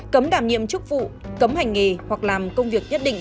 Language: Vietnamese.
cấm đảm nhiệm chức vụ cấm hành nghề hoặc làm công việc nhất định